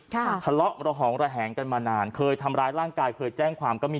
ทะเลาะระหองระแหงกันมานานเคยทำร้ายร่างกายเคยแจ้งความก็มี